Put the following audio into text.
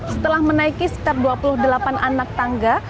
setelah menaiki step dua puluh delapan anak tangga